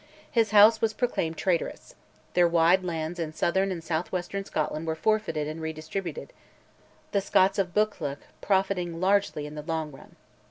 His House was proclaimed traitorous; their wide lands in southern and south western Scotland were forfeited and redistributed, the Scotts of Buccleuch profiting largely in the long run.